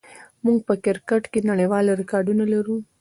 موږ په کرکټ کې نړیوال ریکارډونه لرو.